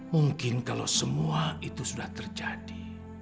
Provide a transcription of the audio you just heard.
mungkin kalau semua itu sudah terjadi